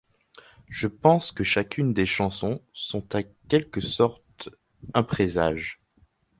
Je pense que chacune des chansons sont, en quelque sorte, un présage.